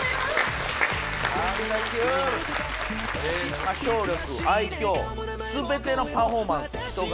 歌唱力愛嬌全てのパフォーマンス人柄